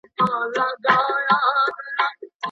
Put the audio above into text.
کار بې ستړیا نه وي.